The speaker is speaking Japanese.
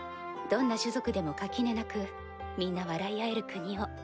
どんな種族でも垣根なくみんな笑い合える国を。